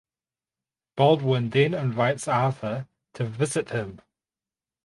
Baldwin then invites Arthur to visit him.